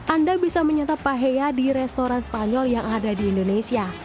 anda bisa menyantap paheya di restoran spanyol yang ada di indonesia